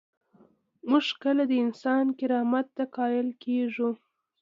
موږ کله د انسان کرامت ته قایل کیږو؟